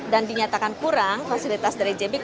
dan dinyatakan kurang fasilitas dari jpeg